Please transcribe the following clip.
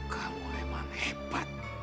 kamu emang hebat